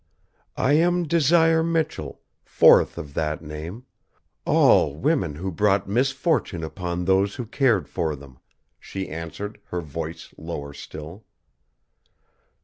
"I am Desire Michell, fourth of that name; all women who brought misfortune upon those who cared for them," she answered, her voice lower still.